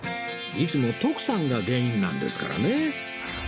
いつも徳さんが原因なんですからね